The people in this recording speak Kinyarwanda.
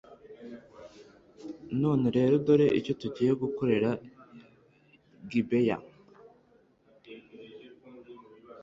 none rero, dore icyo tugiye gukorera gibeya